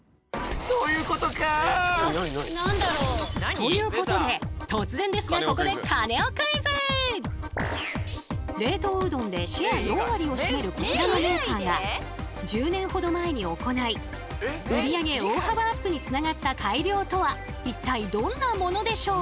ということで突然ですがここで冷凍うどんでシェア４割を占めるこちらのメーカーが１０年ほど前に行い売り上げ大幅アップにつながった改良とは一体どんなものでしょう？